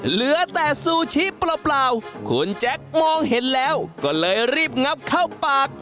เหลือแต่ซูชิเปล่าคุณแจ็คมองเห็นแล้วก็เลยรีบงับเข้าปาก